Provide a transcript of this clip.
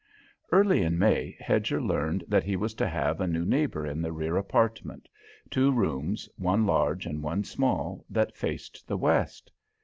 Early in May, Hedger learned that he was to have a new neighbour in the rear apartment two rooms, one large and one small, that faced the west.